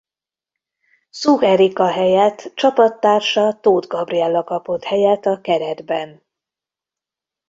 Szuh Erika helyett csapattársa Tóth Gabriella kapott helyet a keretben.